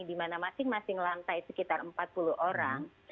di mana masing masing lantai sekitar empat puluh orang